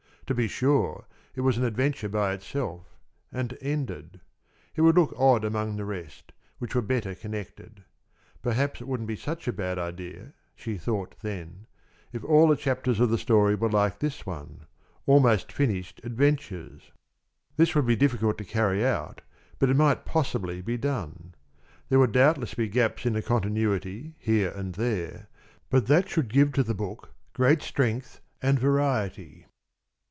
To be sure, it was an adventure by itself and ended. It would look odd among the rest, which were better connected. Perhaps it wouldn't be such a bad idea, she thought then, if all the chapters of the story were like this one almost finished adventures? This would be difficult to carry out, but it might possibly be done. There would doubtless be gaps in the continuity here and there, but that should give to the book great strength and variety.